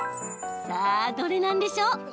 さあどれなんでしょう？